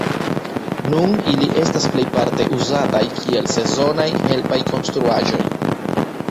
Nun ili estas plejparte uzataj kiel sezonaj helpaj konstruaĵoj.